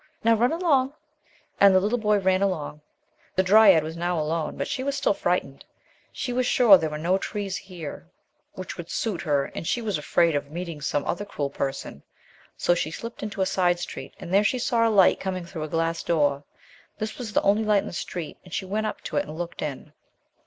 Now run along!" And the little boy ran along. The dryad was now alone, but she was still frightened. She was sure there were no trees here which would suit H THE LOST DRYAD her and she was afraid of meeting some other cruel person, so she slipped into a side street, and there she saw a light coming through a glass door. This was the only light in the street and she went up to it and looked in.